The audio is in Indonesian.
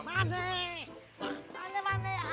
mana mana aduh gua kagak